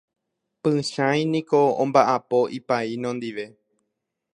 Pychãi niko omba'apo ipaíno ndive.